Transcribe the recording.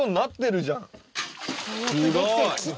すごい！